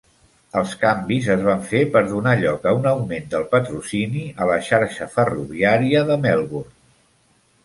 Els canvis es van fer per donar lloc a un augment del patrocini a la xarxa ferroviària de Melbourne.